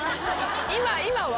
今は？